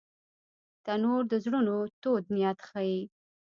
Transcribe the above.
تنور د زړونو تود نیت ښيي